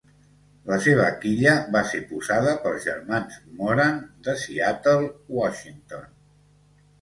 La seva quilla va ser posada pels germans Moran de Seattle, Washington.